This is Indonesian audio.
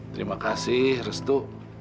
terima kasih restu